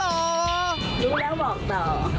รู้แล้วบอกต่อ